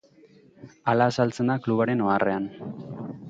Hala azaltzen da klubaren oharrean.